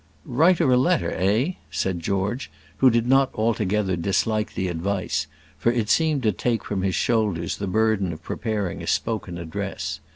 "Write her a letter eh?" said George, who did not altogether dislike the advice, for it seemed to take from his shoulders the burden of preparing a spoken address.